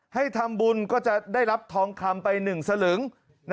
ให้ทำบุญก็จะได้รับทองคำไป๑สลึง